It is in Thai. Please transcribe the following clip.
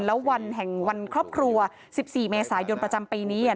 แล้ววันแห่งวันครอบครัว๑๔เมษายนประจำปีนี้